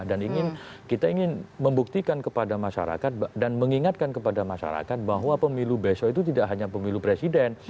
dan kita ingin membuktikan kepada masyarakat dan mengingatkan kepada masyarakat bahwa pemilu besok itu tidak hanya pemilu presiden